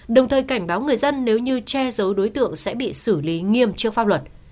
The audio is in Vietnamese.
đồng thời cảnh báo người dân nếu như che giấu đối tượng sẽ bị xử lý nghiêm trước pháp luật